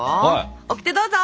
オキテどうぞ！